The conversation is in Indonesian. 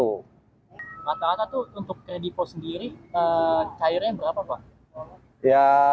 lata lata untuk kedipo sendiri cairnya berapa pak